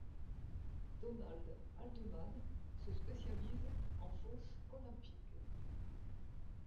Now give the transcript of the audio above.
Donald Haldeman se spécialise en fosse olympique.